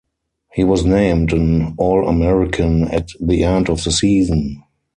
He was named an All-American at the end of the season.